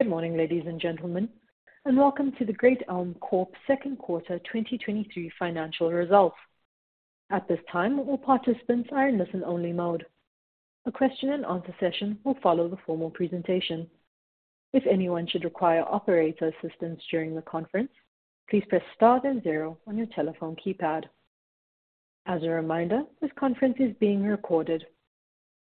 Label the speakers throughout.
Speaker 1: Good morning, ladies and gentlemen, welcome to the Great Elm Capital Corp Q2 2023 financial results. At this time, all participants are in listen-only mode. A question and answer session will follow the formal presentation. If anyone should require operator assistance during the conference, please press star then zero on your telephone keypad. As a reminder, this conference is being recorded.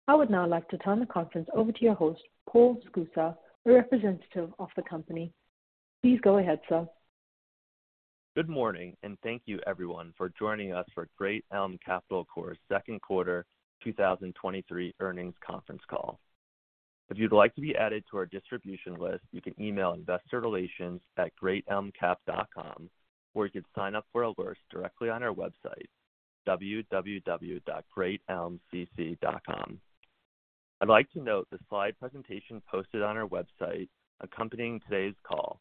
Speaker 1: I would now like to turn the conference over to your host, Paul Scusa, a representative of the company. Please go ahead, sir.
Speaker 2: Good morning. Thank you everyone for joining us for Great Elm Capital Corp's Q2 2023 earnings conference call. If you'd like to be added to our distribution list, you can email investorrelations@greatelmcap.com, or you could sign up for alerts directly on our website, www.greatelmcc.com. I'd like to note the slide presentation posted on our website accompanying today's call.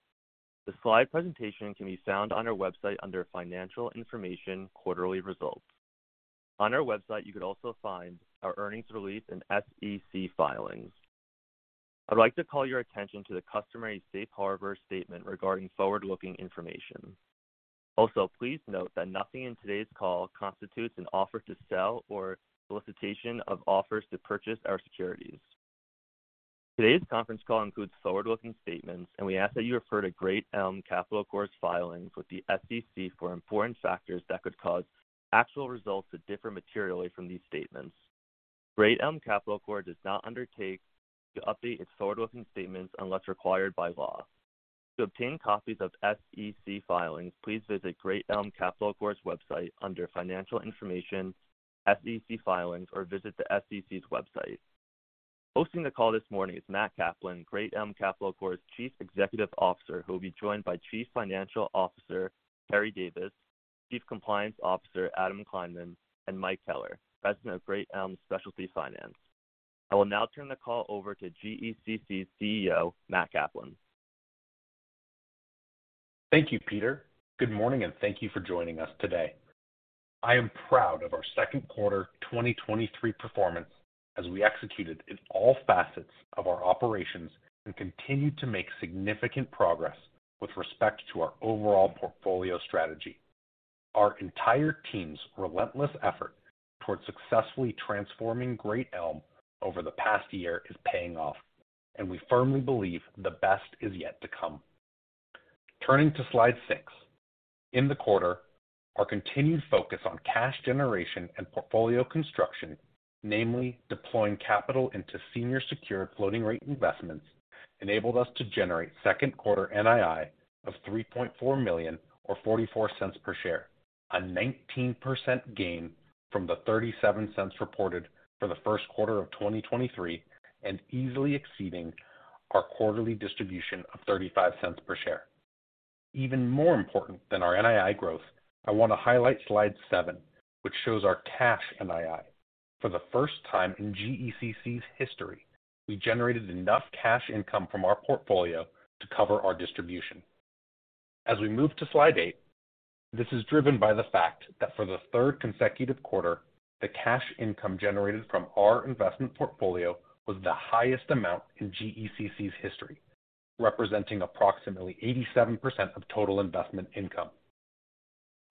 Speaker 2: The slide presentation can be found on our website under Financial Information Quarterly Results. On our website, you could also find our earnings release and SEC filings. I'd like to call your attention to the customary Safe Harbor statement regarding forward-looking information. Please note that nothing in today's call constitutes an offer to sell or solicitation of offers to purchase our securities. Today's conference call includes forward-looking statements, and we ask that you refer to Great Elm Capital Corp's filings with the SEC for important factors that could cause actual results to differ materially from these statements. Great Elm Capital Corp does not undertake to update its forward-looking statements unless required by law. To obtain copies of SEC filings, please visit Great Elm Capital Corp's website under Financial Information, SEC Filings, or visit the SEC's website. Hosting the call this morning is Matt Kaplan, Great Elm Capital Corp's Chief Executive Officer, who will be joined by Chief Financial Officer, Keri Davis, Chief Compliance Officer, Adam Kleinman, and Mike Keller, President of Great Elm Specialty Finance. I will now turn the call over to GECC's CEO, Matt Kaplan.
Speaker 3: Thank you, Peter. Good morning, and thank you for joining us today. I am proud of our Q2 2023 performance as we executed in all facets of our operations and continued to make significant progress with respect to our overall portfolio strategy. Our entire team's relentless effort towards successfully transforming Great Elm over the past year is paying off, and we firmly believe the best is yet to come. Turning to slide six. In the quarter, our continued focus on cash generation and portfolio construction, namely deploying capital into senior secured floating rate investments, enabled us to generate Q2 NII of $3.4 million or $0.44 per share, a 19% gain from the $0.37 reported for the Q1 of 2023 and easily exceeding our quarterly distribution of $0.35 per share. Even more important than our NII growth, I want to highlight slide seven, which shows our cash NII. For the first time in GECC's history, we generated enough cash income from our portfolio to cover our distribution. As we move to slide eight, this is driven by the fact that for the third consecutive quarter, the cash income generated from our investment portfolio was the highest amount in GECC's history, representing approximately 87% of total investment income.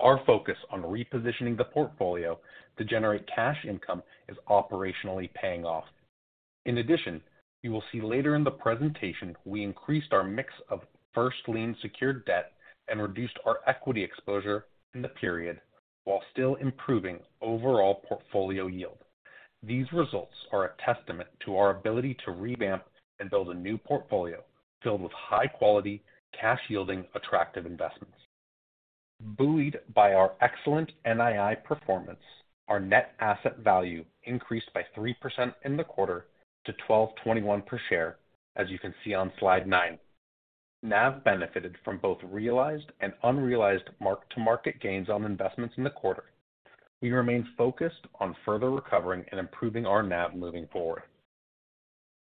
Speaker 3: Our focus on repositioning the portfolio to generate cash income is operationally paying off. In addition, you will see later in the presentation, we increased our mix of first lien secured debt and reduced our equity exposure in the period, while still improving overall portfolio yield. These results are a testament to our ability to revamp and build a new portfolio filled with high-quality, cash-yielding, attractive investments. Buoyed by our excellent NII performance, our net asset value increased by 3% in the quarter to $12.21 per share, as you can see on slide nine. NAV benefited from both realized and unrealized mark-to-market gains on investments in the quarter. We remain focused on further recovering and improving our NAV moving forward.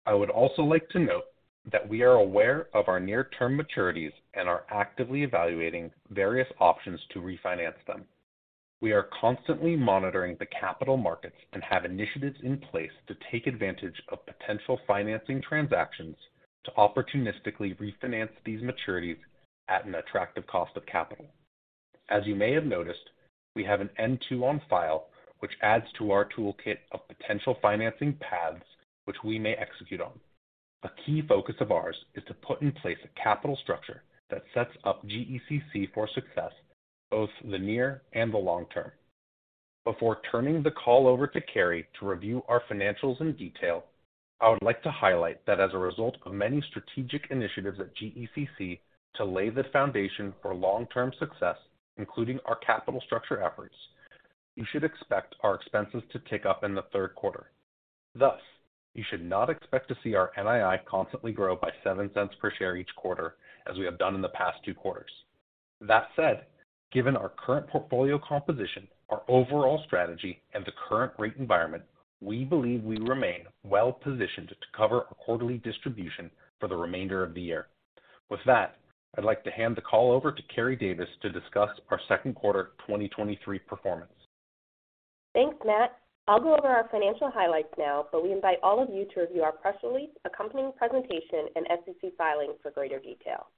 Speaker 3: I would also like to note that we are aware of our near-term maturities and are actively evaluating various options to refinance them. We are constantly monitoring the capital markets and have initiatives in place to take advantage of potential financing transactions to opportunistically refinance these maturities at an attractive cost of capital. As you may have noticed, we have an N-2 on file, which adds to our toolkit of potential financing paths, which we may execute on. A key focus of ours is to put in place a capital structure that sets up GECC for success, both the near and the long term. Before turning the call over to Kerry to review our financials in detail, I would like to highlight that as a result of many strategic initiatives at GECC to lay the foundation for long-term success, including our capital structure efforts, you should expect our expenses to tick up in the Q3. Thus, you should not expect to see our NII constantly grow by $0.07 per share each quarter, as we have done in the past 2 quarters. That said, given our current portfolio composition, our overall strategy, and the current rate environment, we believe we remain well-positioned to cover our quarterly distribution for the remainder of the year. With that, I'd like to hand the call over to Keri Davis to discuss our Q2 2023 performance....
Speaker 4: Thanks, Matt. I'll go over our financial highlights now, but we invite all of you to review our press release, accompanying presentation, and SEC filings for greater detail.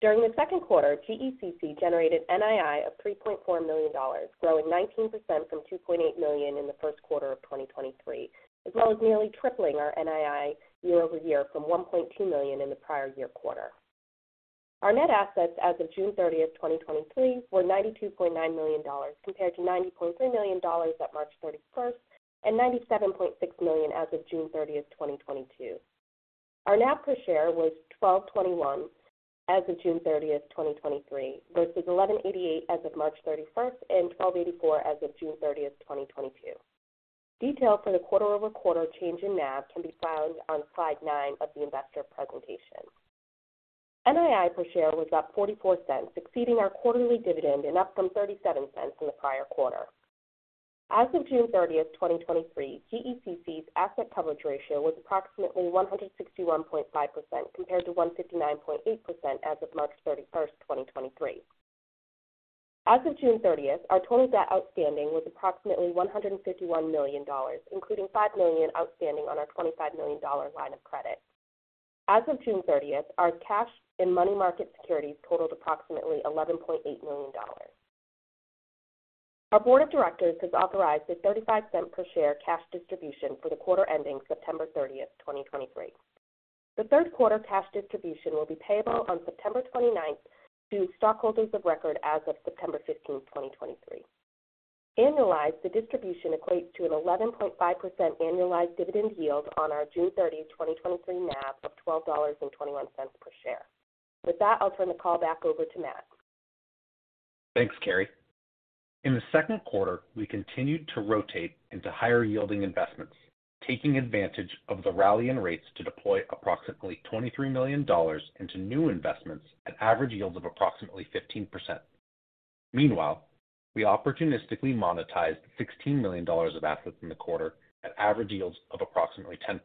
Speaker 4: During the Q2, GECC generated NII of $3.4 million, growing 19% from $2.8 million in the Q1 of 2023, as well as nearly tripling our NII year-over-year from $1.2 million in the prior year quarter. Our net assets as of June 30th, 2023, were $92.9 million, compared to $90.3 million at March 31st, and $97.6 million as of June 30th, 2022. Our NAV per share was $12.21 as of June 30th, 2023, versus $11.88 as of March 31st, and $12.84 as of June 30th, 2022. Detail for the quarter-over-quarter change in NAV can be found on slide nine of the investor presentation. NII per share was up $0.44, exceeding our quarterly dividend and up from $0.37 in the prior quarter. As of June 30th, 2023, GECC's asset coverage ratio was approximately 161.5%, compared to 159.8% as of March 31st, 2023. As of June 30th, our total debt outstanding was approximately $151 million, including $5 million outstanding on our $25 million line of credit. As of June 30th, our cash and money market securities totaled approximately $11.8 million. Our board of directors has authorized a $0.35 per share cash distribution for the quarter ending September 30th, 2023. The third quarter cash distribution will be payable on September 29th to stockholders of record as of September 15th, 2023. Annualized, the distribution equates to an 11.5% annualized dividend yield on our June 30th, 2023 NAV of $12.21 per share. With that, I'll turn the call back over to Matt.
Speaker 3: Thanks, Keri. In the Q2, we continued to rotate into higher-yielding investments, taking advantage of the rally in rates to deploy approximately $23 million into new investments at average yields of approximately 15%. Meanwhile, we opportunistically monetized $16 million of assets in the quarter at average yields of approximately 10%.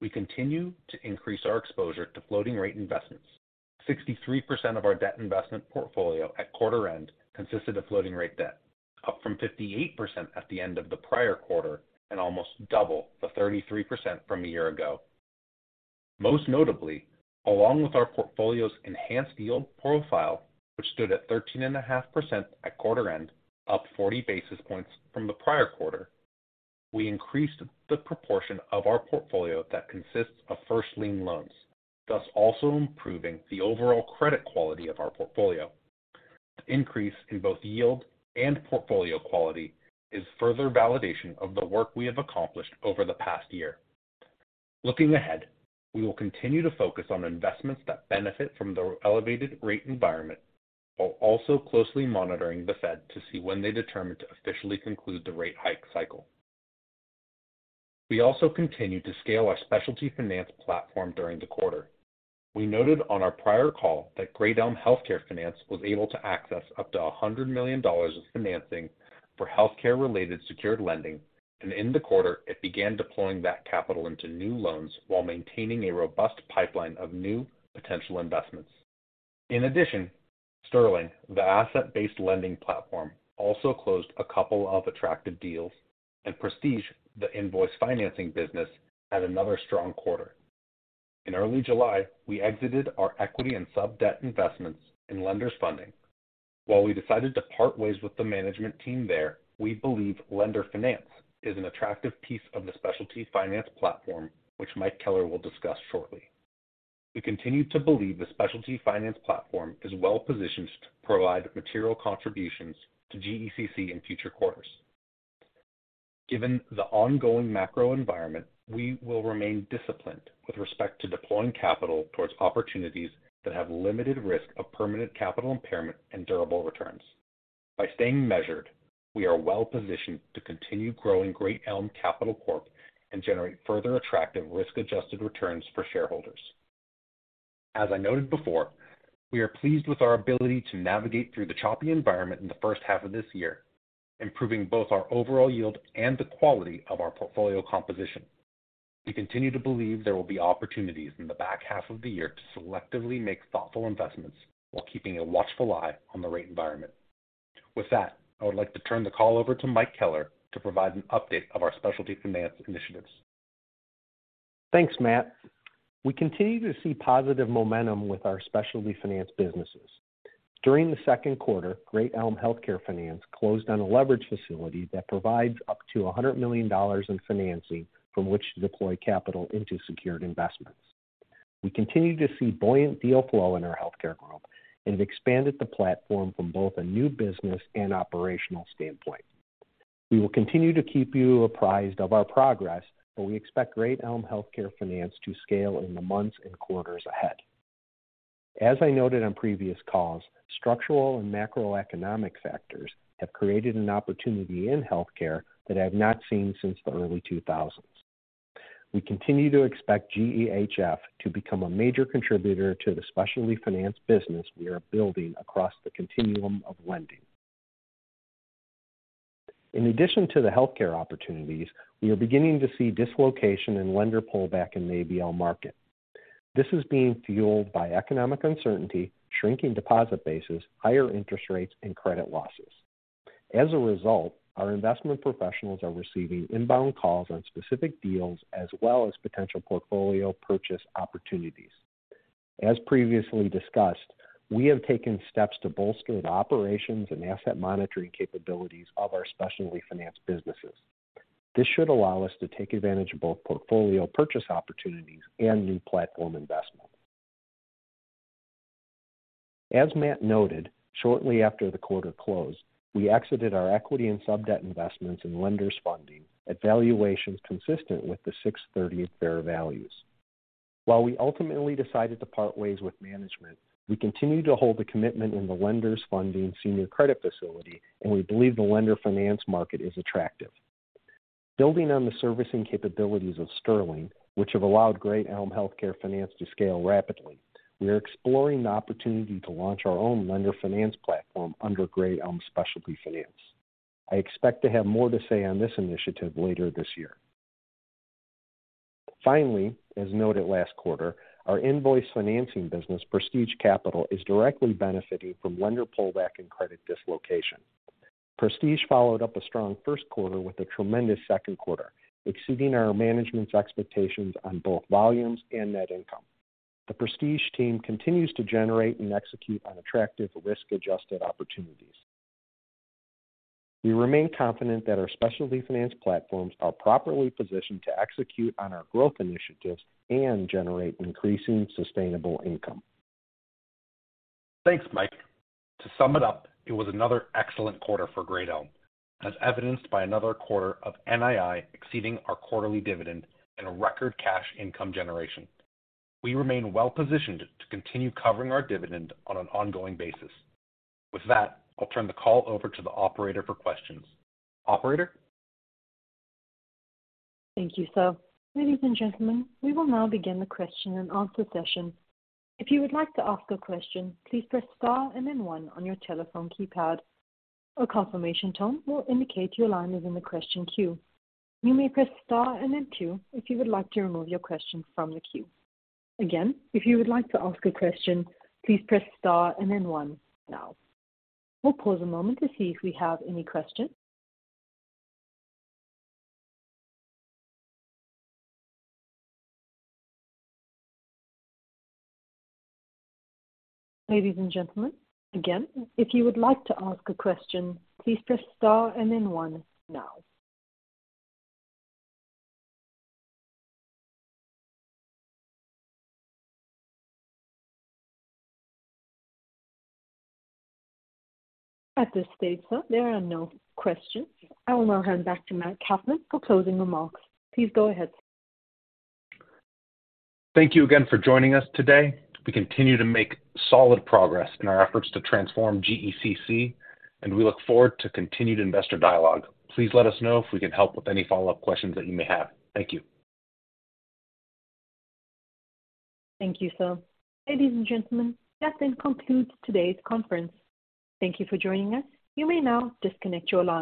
Speaker 3: We continue to increase our exposure to floating rate investments. 63% of our debt investment portfolio at quarter end consisted of floating rate debt, up from 58% at the end of the prior quarter and almost double the 33% from a year ago. Most notably, along with our portfolio's enhanced yield profile, which stood at 13.5% at quarter end, up 40 basis points from the prior quarter, we increased the proportion of our portfolio that consists of first lien loans, thus also improving the overall credit quality of our portfolio. Increase in both yield and portfolio quality is further validation of the work we have accomplished over the past year. Looking ahead, we will continue to focus on investments that benefit from the elevated rate environment, while also closely monitoring the Fed to see when they determine to officially conclude the rate hike cycle. We also continued to scale our specialty finance platform during the quarter. We noted on our prior call that Great Elm Healthcare Finance was able to access up to $100 million of financing for healthcare-related secured lending. In the quarter, it began deploying that capital into new loans while maintaining a robust pipeline of new potential investments. In addition, Sterling, the asset-based lending platform, also closed a couple of attractive deals, and Prestige, the invoice financing business, had another strong quarter. In early July, we exited our equity and sub-debt investments in Lenders Funding. While we decided to part ways with the management team there, we believe lender finance is an attractive piece of the specialty finance platform, which Mike Keller will discuss shortly. We continue to believe the specialty finance platform is well positioned to provide material contributions to GECC in future quarters. Given the ongoing macro environment, we will remain disciplined with respect to deploying capital towards opportunities that have limited risk of permanent capital impairment and durable returns. By staying measured, we are well positioned to continue growing Great Elm Capital Corp and generate further attractive risk-adjusted returns for shareholders. As I noted before, we are pleased with our ability to navigate through the choppy environment in the first half of this year, improving both our overall yield and the quality of our portfolio composition. We continue to believe there will be opportunities in the back half of the year to selectively make thoughtful investments while keeping a watchful eye on the rate environment. With that, I would like to turn the call over to Mike Keller to provide an update of our specialty finance initiatives.
Speaker 5: Thanks, Matt. We continue to see positive momentum with our specialty finance businesses. During the Q2, Great Elm Healthcare Finance closed on a leverage facility that provides up to $100 million in financing from which to deploy capital into secured investments. We continue to see buoyant deal flow in our healthcare group and have expanded the platform from both a new business and operational standpoint. We will continue to keep you apprised of our progress, but we expect Great Elm Healthcare Finance to scale in the months and quarters ahead. As I noted on previous calls, structural and macroeconomic factors have created an opportunity in healthcare that I have not seen since the early 2000s. We continue to expect GEHF to become a major contributor to the specialty finance business we are building across the continuum of lending. In addition to the healthcare opportunities, we are beginning to see dislocation and lender pullback in the ABL market.... This is being fueled by economic uncertainty, shrinking deposit bases, higher interest rates, and credit losses. As a result, our investment professionals are receiving inbound calls on specific deals, as well as potential portfolio purchase opportunities. As previously discussed, we have taken steps to bolster the operations and asset monitoring capabilities of our specialty finance businesses. This should allow us to take advantage of both portfolio purchase opportunities and new platform investment. As Matt noted, shortly after the quarter closed, we exited our equity and sub-debt investments in Lenders Funding at valuations consistent with the 6/30 fair values. While we ultimately decided to part ways with management, we continue to hold a commitment in the Lenders Funding senior credit facility, and we believe the lender finance market is attractive. Building on the servicing capabilities of Sterling, which have allowed Great Elm Healthcare Finance to scale rapidly, we are exploring the opportunity to launch our own lender finance platform under Great Elm Specialty Finance. I expect to have more to say on this initiative later this year. Finally, as noted last quarter, our invoice financing business, Prestige Capital, is directly benefiting from lender pullback and credit dislocation. Prestige followed up a strong Q1 with a tremendous Q2, exceeding our management's expectations on both volumes and net income. The Prestige team continues to generate and execute on attractive risk-adjusted opportunities. We remain confident that our specialty finance platforms are properly positioned to execute on our growth initiatives and generate increasing sustainable income.
Speaker 3: Thanks, Mike. To sum it up, it was another excellent quarter for Great Elm, as evidenced by another quarter of NII exceeding our quarterly dividend and a record cash income generation. We remain well positioned to continue covering our dividend on an ongoing basis. With that, I'll turn the call over to the operator for questions. Operator?
Speaker 1: Thank you, sir. Ladies and gentlemen, we will now begin the question and answer session. If you would like to ask a question, please press star and then one on your telephone keypad. A confirmation tone will indicate your line is in the question queue. You may press star and then two if you would like to remove your question from the queue. Again, if you would like to ask a question, please press star and then one now. We'll pause a moment to see if we have any questions. Ladies and gentlemen, again, if you would like to ask a question, please press star and then one now. At this stage, there are no questions. I will now hand back to Matt Kaplan for closing remarks. Please go ahead.
Speaker 3: Thank you again for joining us today. We continue to make solid progress in our efforts to transform GECC, and we look forward to continued investor dialogue. Please let us know if we can help with any follow-up questions that you may have. Thank you.
Speaker 1: Thank you, sir. Ladies and gentlemen, that then concludes today's conference. Thank you for joining us. You may now disconnect your line.